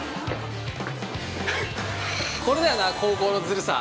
これだよな、後攻のずるさ。